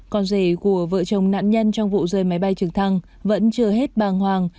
con rể của vợ chồng nạn nhân trong vụ rơi máy bay trực thăng vẫn chưa hết bàng hoàng